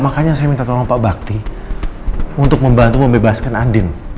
makanya saya minta tolong pak bakti untuk membantu membebaskan andin